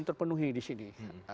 terpenuhi di sini